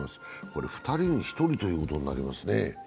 これは２人に１人ということになりますね。